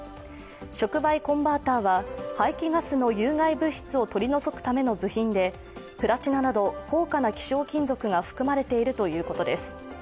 触媒コンバーターは排気ガスの有害物質を取り除くための部品でプラチナなど高価な希少金属が含まれているということです。